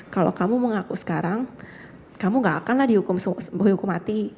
kalau kamu mau ngaku sekarang kamu gak akanlah dihukum mati